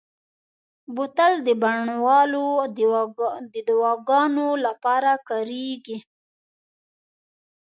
بوتل د بڼوالو د دواګانو لپاره کارېږي.